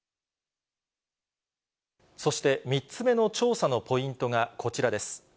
そして３つ目の調査のポイントがこちらです。